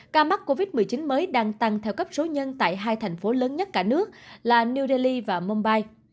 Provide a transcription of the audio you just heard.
ca mắc covid một mươi chín mới đang tăng theo cấp số nhân tại hai thành phố lớn nhất cả nước là new delhi và mumbai